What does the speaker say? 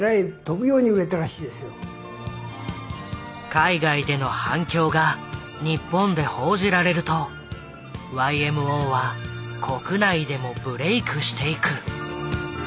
海外での反響が日本で報じられるとＹＭＯは国内でもブレークしていく。